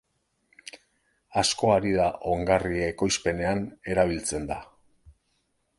Asko ari da ongarri ekoizpenean erabiltzen da.